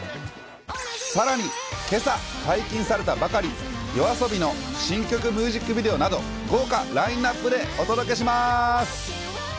さらにけさ解禁されたばかり、ＹＯＡＳＯＢＩの新曲ミュージックビデオなど豪華ラインナップでお届けします。